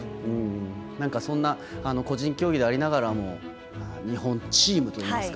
なんかそんな個人競技でありながらも日本チームといいますか。